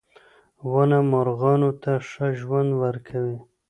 • ونه مرغانو ته ښه ژوند ورکوي.